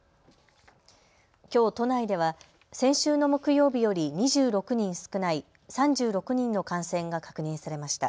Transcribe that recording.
きょう都内では先週の木曜日より２６人少ない３６人の感染が確認されました。